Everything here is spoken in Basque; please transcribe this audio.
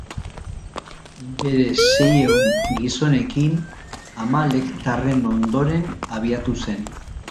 Bere seiehun gizonekin Amalektarren ondoren abiatu zen.